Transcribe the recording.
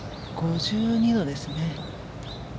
５２度ですね。